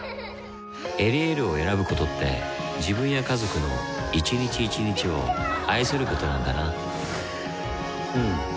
「エリエール」を選ぶことって自分や家族の一日一日を愛することなんだなうん。